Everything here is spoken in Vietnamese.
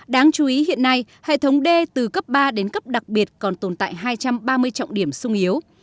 đáng chú ý hiện nay hệ thống đê từ cấp ba đến cấp đặc biệt còn tồn tại hai trăm ba mươi trọng điểm sung yếu